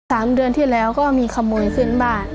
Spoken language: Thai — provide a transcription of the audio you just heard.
สามเดือนที่แล้วก็มีขโมยขึ้นบ้าน